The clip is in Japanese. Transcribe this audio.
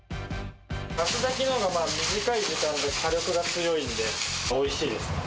ガス炊きのほうが短い時間で火力が強いんで、おいしいですね。